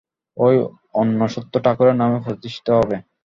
ঐ অন্নসত্র ঠাকুরের নামে প্রতিষ্ঠিত হবে।